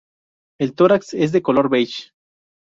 El tórax es de color beige.